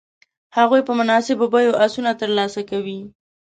هغوی په مناسبو بیو آسونه تر لاسه کوي.